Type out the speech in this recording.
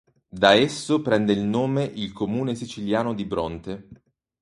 Da esso prende il nome il comune siciliano di Bronte.